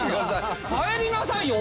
帰りなさいよ。